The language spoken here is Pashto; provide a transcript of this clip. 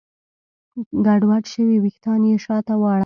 ګډوډ شوي وېښتان يې شاته واړول.